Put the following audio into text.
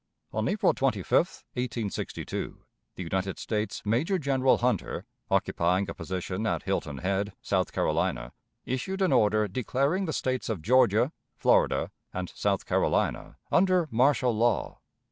On April 25, 1862, the United States Major General Hunter, occupying a position at Hilton Head, South Carolina, issued an order declaring the States of Georgia, Florida, and South Carolina under martial law.